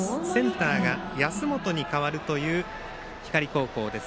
センターに安本に代わるという光高校です。